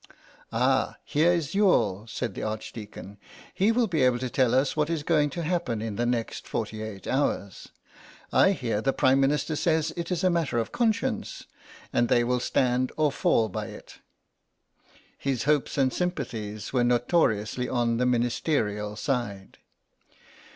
"Ah, here is Youghal," said the Archdeacon; "he will be able to tell us what is going to happen in the next forty eight hours. I hear the Prime Minister says it is a matter of conscience, and they will stand or fall by it." His hopes and sympathies were notoriously on the Ministerial side.